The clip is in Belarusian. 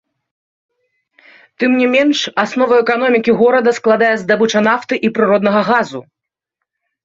Тым не менш, аснову эканомікі горада складае здабыча нафты і прыроднага газу.